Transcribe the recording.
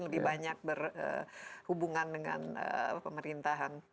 lebih banyak berhubungan dengan pemerintahan